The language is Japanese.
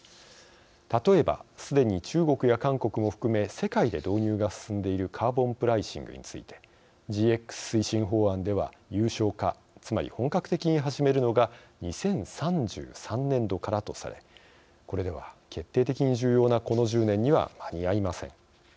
例えば、すでに中国や韓国も含め世界で導入が進んでいるカーボンプライシングについてＧＸ推進法案では有償化つまり本格的に始めるのが２０３３年度からとされこれでは決定的に重要なこの１０年には間に合いません。